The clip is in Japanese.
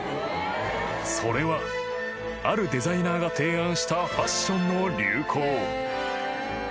［それはあるデザイナーが提案したファッションの流行］